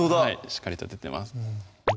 しっかりと出てます